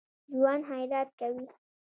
ژوندي خیرات کوي